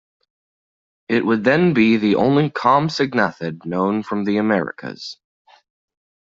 It would then be the only compsognathid known from the Americas.